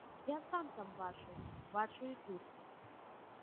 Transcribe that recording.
Я сам там бачыў, бачу і тут.